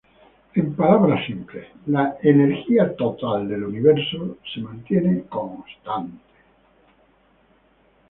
En palabras simples: "La energía total del Universo se mantiene constante.